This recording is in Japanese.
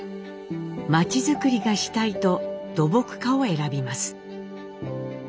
町づくりがしたいと土木科を選びます。